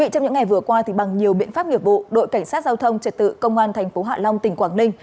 trong những ngày vừa qua bằng nhiều biện pháp nghiệp vụ đội cảnh sát giao thông trật tự công an tp hạ long tỉnh quảng ninh